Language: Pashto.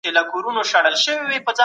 خصوصي سکتور په تولید کي مؤثره وسیله ده.